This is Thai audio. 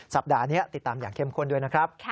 สัปดาห์นี้ติดตามอย่างเข้มข้นด้วยนะครับ